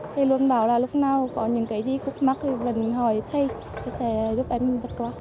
thầy luôn bảo là lúc nào có những cái gì khúc mắt thì vẫn hỏi thầy sẽ giúp em vật quả